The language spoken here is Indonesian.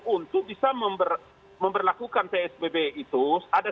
untuk bisa memperlakukan psbb itu